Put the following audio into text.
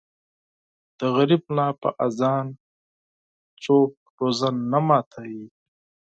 د غریب ملا په اذان څوک روژه نه ماتوي.